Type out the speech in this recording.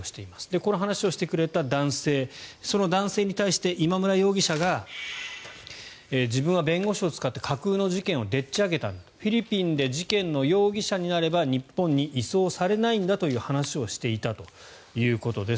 この話をしてくれた男性その男性に対して今村容疑者が自分は弁護士を使って架空の事件をでっち上げたフィリピンで事件の容疑者になれば日本に移送されないんだという話をしていたということです。